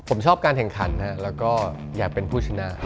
ผมชอบการแข่งขันแล้วก็อยากเป็นผู้ชนะ